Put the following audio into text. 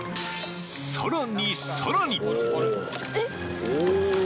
［さらにさらに］